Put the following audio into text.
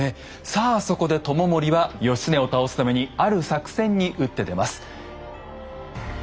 さあそこで知盛は義経を倒すためにある作戦に打って出ます。